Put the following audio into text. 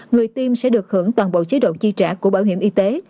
người tiêm sẽ được hưởng toàn bộ chế độ chi trả của bảo hiểm y tế